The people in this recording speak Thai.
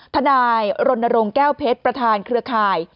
ทนายศรนรงแก้วเผ็ดประธานเครือข่าย